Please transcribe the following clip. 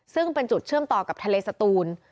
ซึ่งเป็นจุดเชื่อมต่อกับทะเลสตูน